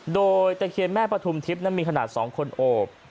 โดยตะเคียนแม่ปฐุมทิพย์นั้นมีขนาด๒คนโอบ